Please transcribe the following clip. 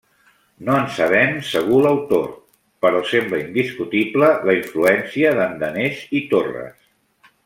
No en sabem segur l'autor, però sembla indiscutible la influència d'en Danés i Torres.